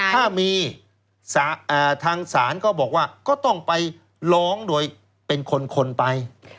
ถ้ามีทางศาลต้องไปร้องเป็นคนคนไป